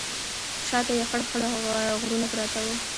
شا ته یې خړ خړ غرونه پراته وو.